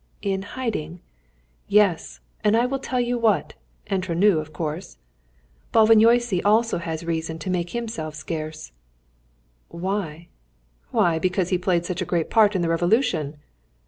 "In hiding?" "Yes, and I tell you what entre nous, of course Bálványossi also has reason to make himself scarce." "Why?" "Why, because he played such a great part in the Revolution."